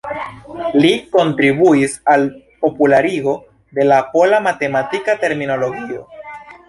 Li kontribuis al popularigo de la pola matematika terminologio.